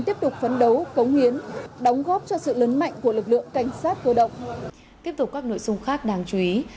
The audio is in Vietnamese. tiếp tục các nội dung khác đáng chú ý